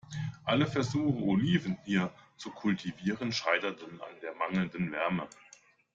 Alle Versuche, Oliven hier zu kultivieren, scheiterten an der mangelnden Wärme.